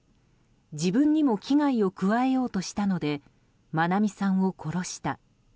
自分にも危害を加えようとしたので愛美さんを殺した。